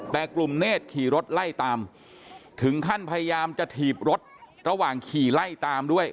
แต่กลุ่มเนธขี่รถไล่ตามถึงขั้นพยายามจะถีบรถระหว่างขี่ไล่ตามด้วย